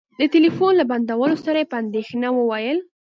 د ټلفون له بندولو سره يې په اندېښنه وويل.